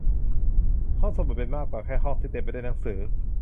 ห้องสมุดเป็นมากกว่าแค่ห้องที่เต็มไปด้วยหนังสือ